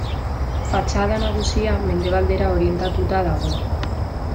Fatxada nagusia mendebaldera orientatuta dago.